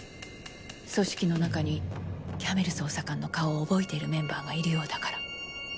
組織の中にキャメル捜査官の顔を覚えているメンバーがいるようだから。